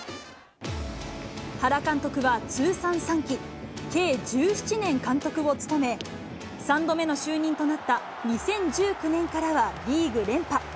原監督は通算３期計１７年監督を務め、３度目の就任となった２０１９年からはリーグ連覇。